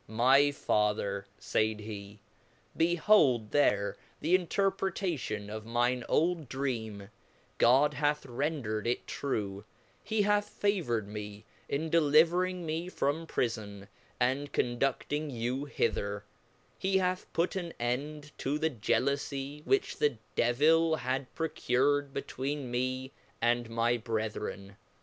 My Father, faid he. be hold there the interpretation of mine old dream, God hath ^rendred it true, he hath favored me, in delivering me from prifon, and conducing you hither; he hath put an end to the jealoufie which the devil had procured between me and my brethren.